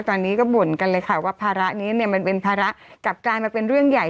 ตอนนี้ก็บ่นกันเลยค่ะว่าภาระนี้เนี่ยมันเป็นภาระกลับกลายมาเป็นเรื่องใหญ่